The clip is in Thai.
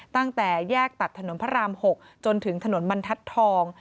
ตั้งแต่แยกตัดถนนพระราม๖จนถึงถนนบรรทัศน์ทอง